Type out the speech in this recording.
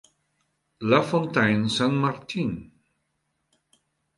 La Fontaine-Saint-Martin